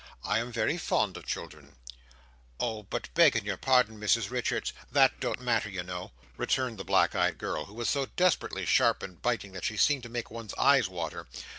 "I am very fond of children." "Oh! but begging your pardon, Mrs Richards, that don't matter, you know," returned the black eyed girl, who was so desperately sharp and biting that she seemed to make one's eyes water.